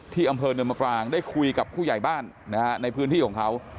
อำเภอเนินมกลางได้คุยกับผู้ใหญ่บ้านในพื้นที่ของเขา